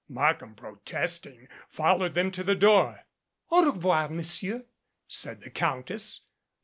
Markham, protesting, followed them to the door. "Au revoir, Monsieur," said the Countess.